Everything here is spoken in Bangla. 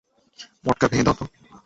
মটকা ভেঙ্গে দাও তো।